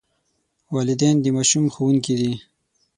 والدین د ماشوم ښوونکي دي.